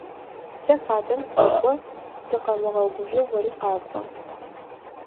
Сэ хатэм сэкӏо, зыкъэмыгъэгужъоу ори къакӏо.